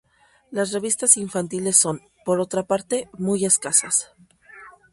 Las revistas infantiles son, por otra parte, muy escasas.